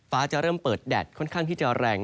ฟ้าจะเริ่มเปิดแดดค่อนข้างหิดเยอร์แรง